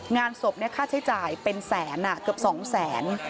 งานศพค่าใช้จ่ายเป็นแสนเกือบ๒แสน